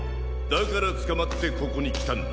だからつかまってここにきたんだ。